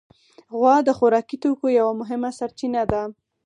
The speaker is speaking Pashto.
غوا د خوراکي توکو یوه مهمه سرچینه ده.